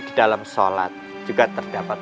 di dalam sholat juga terdapat